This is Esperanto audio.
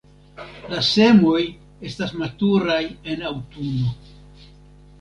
La semoj estas maturaj en aŭtuno.